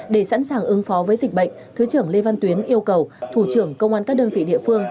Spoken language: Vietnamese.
để sẵn sàng ứng phó với dịch bệnh thứ trưởng lê văn tuyến yêu cầu thủ trưởng công an các đơn vị địa phương